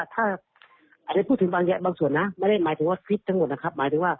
แต่ว่าส่วนไม่ใช่คือคลิปทั้งหมดนะครับ